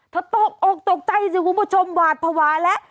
ตกอกตกใจสิคุณผู้ชมหวาดภาวะแล้ว